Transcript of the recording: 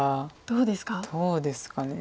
どうですかね。